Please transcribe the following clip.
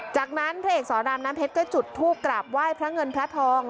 จากนั้นพระเอกสอนรามน้ำเพชรก็จุดทูปกราบไหว้พระเงินพระทอง